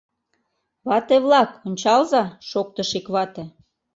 — Вате-влак, ончалза! — шоктыш ик вате.